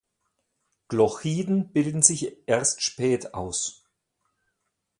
Glochiden bilden sich erst spät aus.